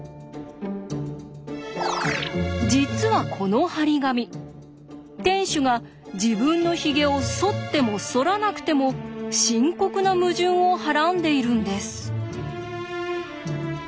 実はこの貼り紙店主が自分のヒゲをそってもそらなくても深刻な矛盾をはらんでいるんです。